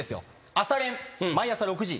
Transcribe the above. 朝練毎朝６時。